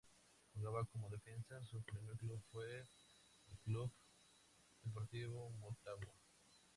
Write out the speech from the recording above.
Jugaba como defensa, su primer equipo fue el Club Deportivo Motagua.